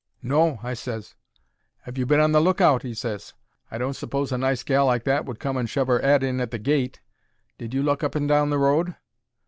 "No," I ses. "'Ave you been on the look out?" he ses. "I don't suppose a nice gal like that would come and shove her 'ead in at the gate. Did you look up and down the road?"